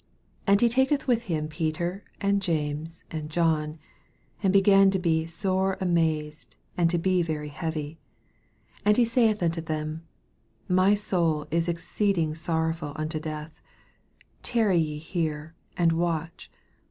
33 And he taketh with him Peter and James and John, and began to be eore amazed, and to be very heavy ; 34 And saith unto them, My soul is exceeding sorrowful unto death : tarry ye here, and watch.